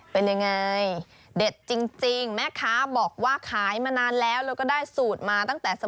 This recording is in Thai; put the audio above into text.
เป็นยังไงเด็ดจริงแม่ค้าบอกว่าขายมานานแล้วแล้วก็ได้สูตรมาตั้งแต่สมัย